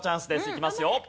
いきますよ。